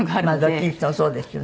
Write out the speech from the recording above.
どっちにしてもそうですよね。